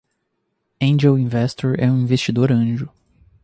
Angel Investor é um investidor anjo.